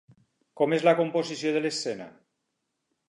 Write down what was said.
Com és la composició de l'escena?